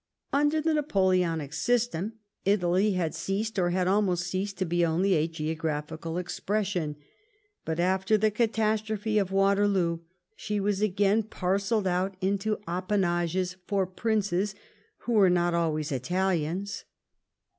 Under the Napoleonic system Italy had ceased, or had almost ceased, to be only a geographical expression. But after the catastrophe of Waterloo she was again parcelled out into appanages for princes who were not always Italians.